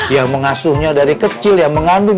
yang mengasuhnya dari kecil yang mengandung